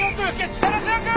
力強く！